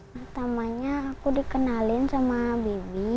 pertamanya aku dikenalin sama bibi